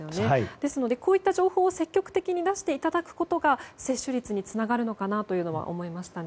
ですので、こういった情報を積極的に出していただくことが接種率につながるのかなと思いましたね。